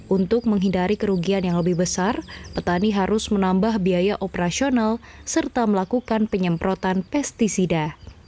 untuk menghindari kerugian yang lebih besar petani harus menambah biaya operasional serta melakukan penyemprotan pesticida